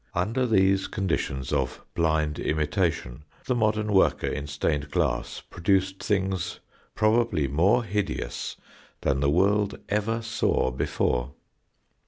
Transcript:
Under these conditions of blind imitation the modern worker in stained glass produced things probably more hideous than the world ever saw before.